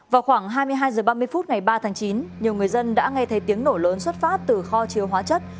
vào khoảng hai mươi hai h ba mươi phút ngày ba tháng chín nhiều người dân đã nghe thấy tiếng nổ lớn xuất phát từ kho chứa hóa chất